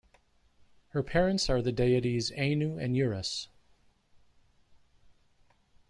Her parents are the deities Anu and Uras.